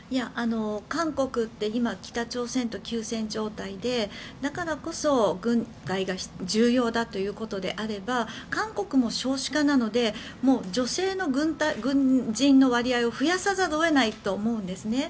韓国って今北朝鮮と休戦状態でだからこそ軍隊が重要だということであれば韓国も少子化なので女性の軍人の割合を増やさざるを得ないと思うんですね。